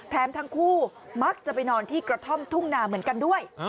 ทั้งคู่มักจะไปนอนที่กระท่อมทุ่งนาเหมือนกันด้วย